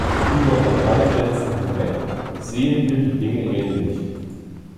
Über Parteigrenzen hinweg sehen wir die Dinge ähnlich.